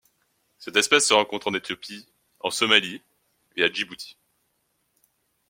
Cette espèce se rencontre en Éthiopie, en Somalie et à Djibouti.